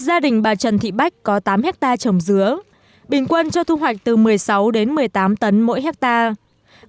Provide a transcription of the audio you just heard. gia đình bà trần thị bách có tám hectare trồng dứa bình quân cho thu hoạch từ một mươi sáu đến một mươi tám tấn mỗi hectare